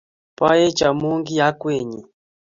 Ba-ech amu ki akwennyi.